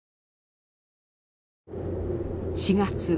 ４月。